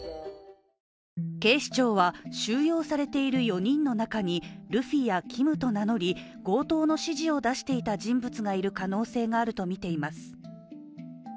警視庁は主要されている４人の中にルフィやキムと名乗り強盗の指示を出していた人物がいる可能性があるとみています。